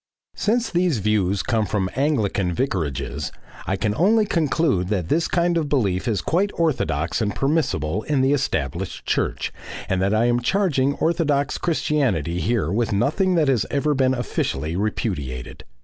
Since these views of God come from Anglican vicarages I can only conclude that this kind of belief is quite orthodox and permissible in the established church, and that I am charging orthodox Christianity here with nothing that has ever been officially repudiated.